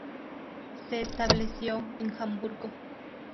Se estableció en Hamburgo.